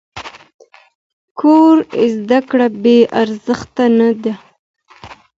کور زده کړه بې ارزښته نه ده.